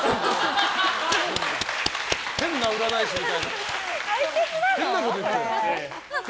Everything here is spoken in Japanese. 変な占い師みたいな。